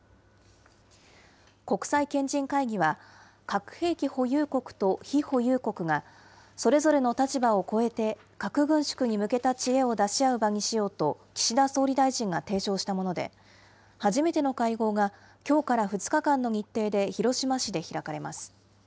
国際賢人会議は、核兵器保有国と非保有国が、それぞれの立場を超えて核軍縮に向けた知恵を出し合う場にしようと、岸田総理大臣が提唱したもので、初めての会合がきょうから２日間の日程で、広島市で開かれます。